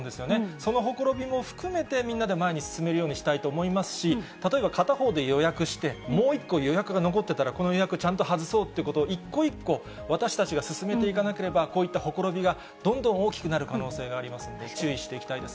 そのほころびも含めて、みんなで前に進めるようにしたいと思いますし、例えば片方で予約して、もう一個、予約が残っていたら、この予約ちゃんと外そうということを、一個一個、私たちが進めていかなければ、こういったほころびが、どんどん大きくなる可能性がありますんで、注意していきたいです